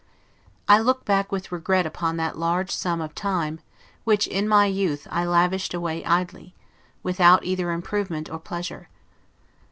I look back with regret upon that large sum of time, which, in my youth, I lavished away idly, without either improvement or pleasure.